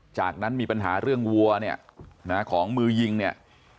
จากนั้นมีปัญหาเรื่องวัวเนี่ยนะของมือยิงเนี่ย